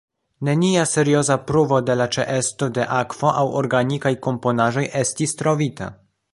Nenia serioza pruvo de la ĉeesto de akvo aŭ organikaj komponaĵoj estis trovita.